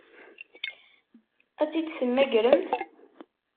Ad tt-id-temmagremt?